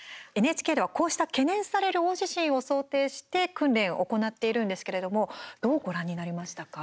ＮＨＫでは、こうした懸念される大地震を想定して訓練を行っているんですけれどどうご覧になりましたか。